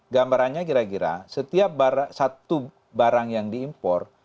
gambarannya kira kira setiap satu barang yang diimpor